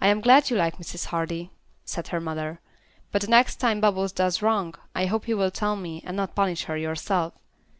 "I am glad you like Mrs. Hardy," said her mother, "but the next time Bubbles does wrong, I hope you will tell me, and not punish her yourself.